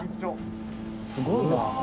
すごいな。